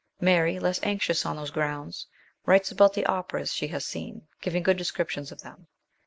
Mary, less anxious on those grounds, writes about the operas she has seen, giving good descriptions of them.